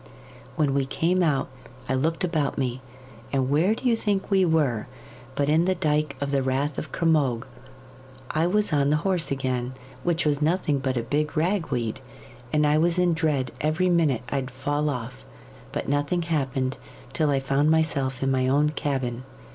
When we came out I looked about me, and where do you think we were but in the dyke of the Rath of Cromogue. I was on the horse again, which was nothing but a big rag weed, and I was in dread every minute I'd fall off; but nothing happened till I found myself in my own cabin.